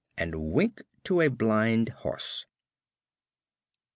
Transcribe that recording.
_ and wink to a blind horse.